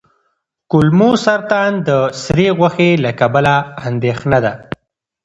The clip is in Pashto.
کولمو سرطان د سرې غوښې له کبله اندېښنه ده.